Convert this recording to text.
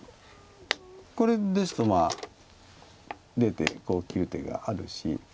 これですとまあ出てこう切る手があるし。